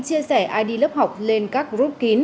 chia sẻ id lớp học lên các group kín